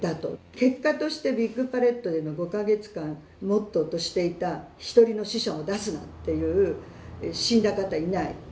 結果としてビッグパレットでの５か月間モットーとしていた「１人の死者も出すな」っていう死んだ方いない。